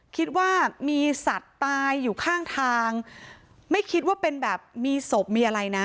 คิดว่ามีสัตว์ตายอยู่ข้างทางไม่คิดว่าเป็นแบบมีศพมีอะไรนะ